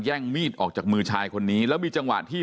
งมีดออกจากมือชายคนนี้แล้วมีจังหวะที่